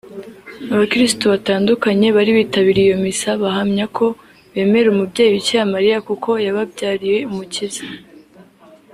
Abakirisitu batandukanye bari bitabiriye iyo misa bahamya ko bemera umubyeyi Bikira Mariya kuko yababyariye umukiza